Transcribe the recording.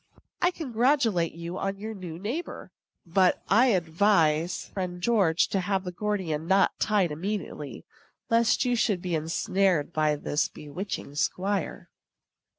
I congratulate you on your new neighbor; but I advise friend George to have the Gordian knot tied immediately, lest you should be insnared by this bewitching squire.